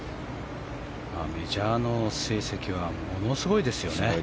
メジャーの成績はものすごいですよね。